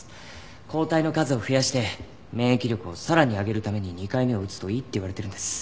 抗体の数を増やして免疫力をさらに上げるために２回目を打つといいっていわれてるんです。